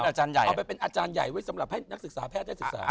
เป็นอาจารย์ใหญ่เอาไปเป็นอาจารย์ใหญ่ไว้สำหรับให้นักศึกษาแพทย์ได้ศึกษา